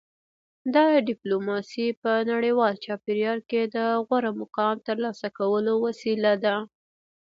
دا ډیپلوماسي په نړیوال چاپیریال کې د غوره مقام ترلاسه کولو وسیله ده